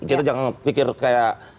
kita jangan pikir kayak